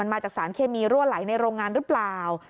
มาจากสารเคมีรั่วไหลในโรงงานหรือเปล่า